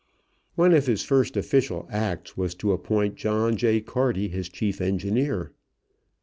One of his first official acts was to appoint John J. Carty his chief engineer.